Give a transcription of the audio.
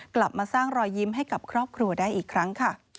กลับมาสร้างรอยยิ้มให้กับครอบครัวได้อีกครั้งค่ะ